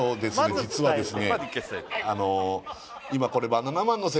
実はですね